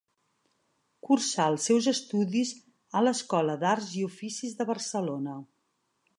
Cursà els seus estudis a l'Escola d'Arts i Oficis de Barcelona.